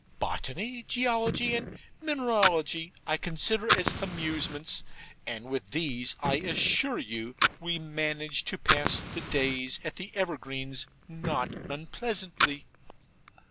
Botany, Geology, and Mineralogy, I consider as amusements. And with these I assure you we manage to pass the days at the Evergreens not unpleasantly.'